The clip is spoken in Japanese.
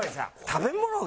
食べ物。